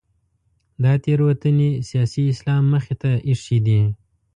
دا تېروتنې سیاسي اسلام مخې ته اېښې دي.